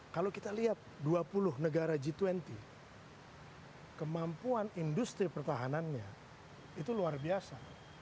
kalau kita lihat dua puluh negara g dua puluh kemampuan industri pertahanannya itu luar biasa